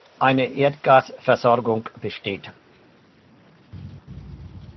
Eine Erdgasversorgung besteht.